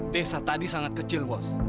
desa tadi sangat kecil bos